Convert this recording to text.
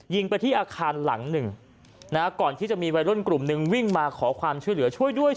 ยิงไปที่อาคารหลังหนึ่งนะฮะก่อนที่จะมีวัยรุ่นกลุ่มนึงวิ่งมาขอความช่วยเหลือช่วยด้วย